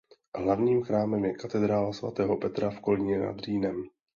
Hlavním chrámem je katedrála svatého Petra v Kolíně nad Rýnem.